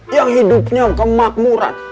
yang hidupnya kemakmuran